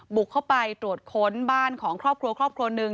บุกเข้าไปตรวจค้นบ้านของครอบครัวครอบครัวหนึ่ง